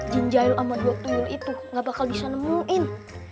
jin jahil sama dua tuyul itu gak bakal bisa nemuin